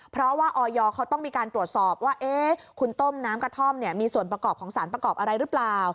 เพราะว่าออยเขาต้องมีการตรวจสอบว่าคุณต้มน้ำกระท่อมมีส่วนประกอบของสารประกอบอะไรหรือเปล่า